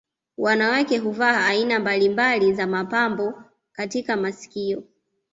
Wanawake huvaa aina mbalimbali za mapambo katika masikio